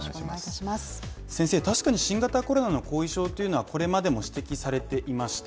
確かに新型コロナの後遺症というのはこれまでも指摘されていました。